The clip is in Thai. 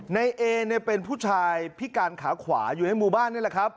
ในเอเนี่ยเป็นผู้ชายพิการขาขวาอยู่ในหมู่บ้านนี่แหละครับ